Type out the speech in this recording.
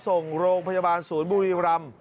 ส่งโรงพยาบาลศูนย์บุรีรำ